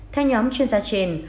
theo nhóm chuyên gia trên